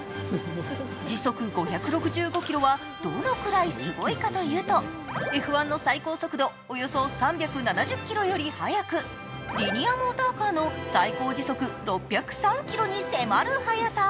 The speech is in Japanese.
時速５６５キロはどのくらいすごいかというと、Ｆ１の最高速度およそ３７０キロより速くリニアモーターカーの最高時速６０３キロに迫る速さ。